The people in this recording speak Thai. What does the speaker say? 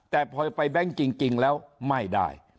แต่พอไปแบงค์จริงแล้วไม่ได้